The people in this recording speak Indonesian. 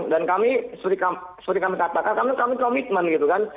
dan kami seperti kami katakan kami komitmen